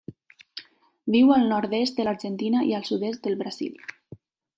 Viu al nord-est de l'Argentina i el sud-est del Brasil.